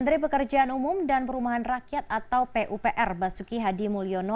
menteri pekerjaan umum dan perumahan rakyat atau pupr basuki hadi mulyono